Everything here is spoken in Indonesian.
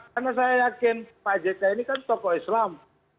karena saya yakin pak jk ini kan tokoh islam